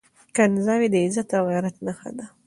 کنځاوي د عزت او غيرت نښه نه ده.